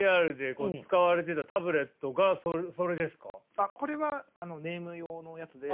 あっこれはネーム用のやつで。